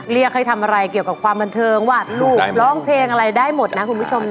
เรียกให้ทำอะไรเกี่ยวกับความบันเทิงวาดลูกร้องเพลงอะไรได้หมดนะคุณผู้ชมนะ